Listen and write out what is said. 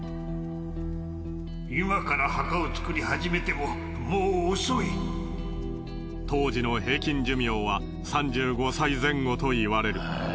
今から墓を造り始めてももう遅い当時の平均寿命は３５歳前後といわれる。